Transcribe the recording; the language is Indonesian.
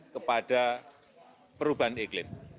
kepada perubahan iklim